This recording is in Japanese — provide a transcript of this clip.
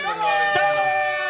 どうもー！